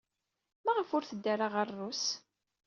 Maɣef ur teddi ara ɣer Rrus?